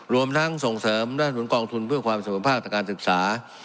รวมทั้งส่งเสริมด้านทุนกองทุนเพื่อความเสมอภาคทางการศึกษา